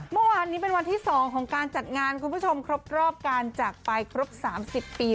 เมื่อวานนี้เป็นวันที่๒ของการจัดงานคุณผู้ชมครบรอบการจากไปครบ๓๐ปี